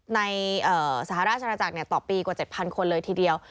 สหราชนาจักรต่อปีกว่า๗๐๐คนเลยทีเดียว